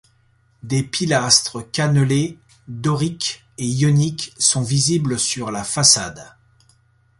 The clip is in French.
Des pilastres cannelées doriques et ioniques sont visibles sur la façade.